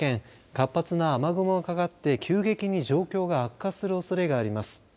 活発な雨雲がかかって急激に状況が悪化するおそれがあります。